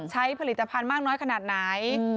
ใช้ผลิตภัณฑ์มากน้อยขนาดไหน